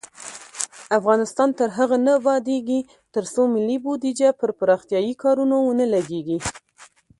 افغانستان تر هغو نه ابادیږي، ترڅو ملي بودیجه پر پراختیايي کارونو ونه لګیږي.